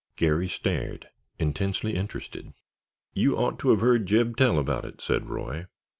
Garry stared, intensely interested. "You ought to have heard Jeb tell about it," said Roy.